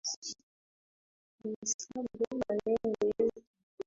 Tuhesabu maneno yetu